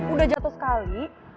udah jatuh sekali